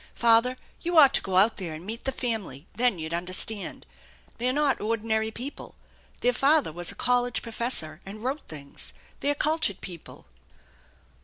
Father, you ought to go out there and meet the family; then you'd understand. They're not ordinary people. Their father was a college professor and wrote things. They're cultured people."